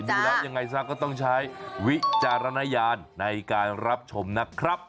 ดูแล้วยังไงซะก็ต้องใช้วิจารณญาณในการรับชมนะครับ